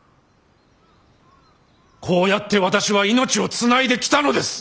こうやって私は命を繋いできたのです！